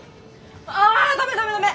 あダメダメダメ！